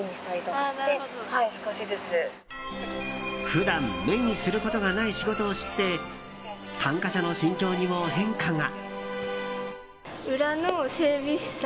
普段、目にすることがない仕事を知って参加者の心境にも変化が。